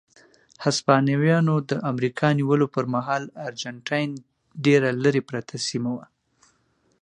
هسپانویانو د امریکا نیولو پر مهال ارجنټاین ډېره لرې پرته سیمه وه.